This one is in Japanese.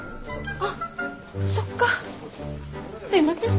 あっそっかすいません。